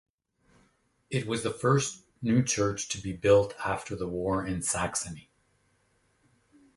It was the first new church to be built after the war in Saxony.